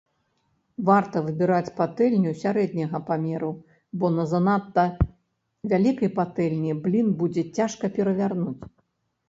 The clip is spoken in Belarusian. Варта выбіраць патэльню сярэдняга памеру, бо на занадта вялікай патэльні блін будзе цяжка перавярнуць.